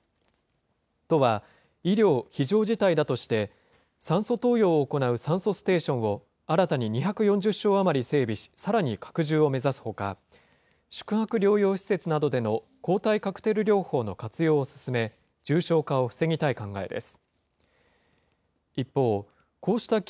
都は、医療非常事態だとして、酸素投与を行う酸素ステーションを新たに２４０床余り整備し、さらに拡充を目指すほか、宿泊療養施設などでの抗体カクテル療法の活用を進め、重症化を防ぎたい考えです。